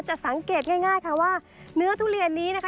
สังเกตง่ายค่ะว่าเนื้อทุเรียนนี้นะคะ